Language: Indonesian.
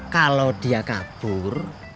kalau dia kabur